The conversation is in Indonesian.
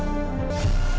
lu cuma beruntung zahira